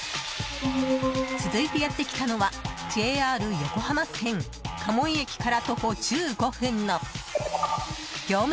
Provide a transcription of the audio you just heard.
続いてやってきたのはＪＲ横浜線鴨居駅から徒歩１５分の業務